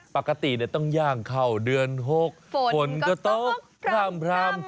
ปกติต้องย่างเข้าเดือน๖ฝนก็ตกข้ามพราม